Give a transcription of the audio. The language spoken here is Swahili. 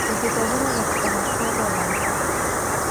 ukitazama katika muktadha wa wa